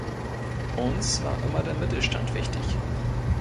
Uns war immer der Mittelstand wichtig.